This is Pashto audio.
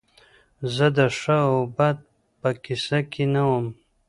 زه د ښه او بد په کیسه کې نه وم